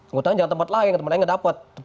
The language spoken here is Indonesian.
ngutang jangan tempat lain tempat lain nggak dapat